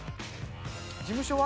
事務所は？